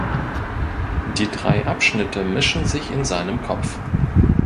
Die drei Abschnitte mischen sich in seinem Kopf.